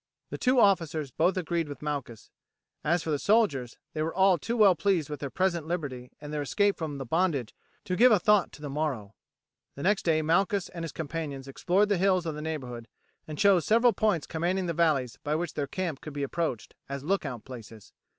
The two officers both agreed with Malchus; as for the soldiers, they were all too well pleased with their present liberty and their escape from the bondage to give a thought to the morrow. The next day Malchus and his companions explored the hills of the neighbourhood, and chose several points commanding the valleys by which their camp could be approached, as lookout places.